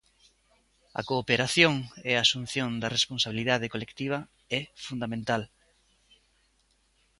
A cooperación e a asunción da responsabilidade colectiva é fundamental.